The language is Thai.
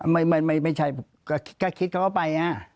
ไม่ไม่ใช่ก็คิดเขาว่าไป